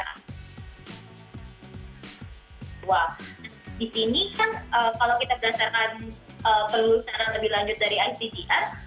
wah disini kan kalau kita berdasarkan pelulusan yang lebih lanjut dari icpr